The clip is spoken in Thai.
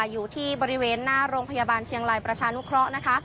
อยู่ที่บริเวณหน้าโรงพยาบาลเชียงรายประชานุเคราะห์นะคะ